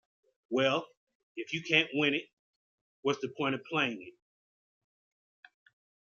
Well, if you can't win it, what's the point of playing it?